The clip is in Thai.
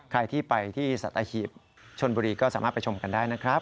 ใครที่ไปที่สัตหีบชนบุรีก็สามารถไปชมกันได้นะครับ